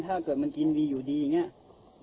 ถ้าเกิดมันกินวีอยู่ดีอย่างนี้